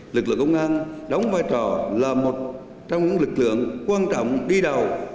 lực lượng công an đóng vai trò là một trong những lực lượng quan trọng đi đầu